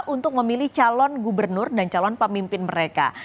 untuk memilih calon gubernur dan calon pemimpin mereka